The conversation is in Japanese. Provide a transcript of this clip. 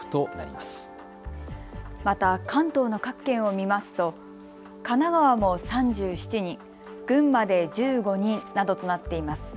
また、関東の各県を見ますと神奈川も３７人、群馬で１５人などとなっています。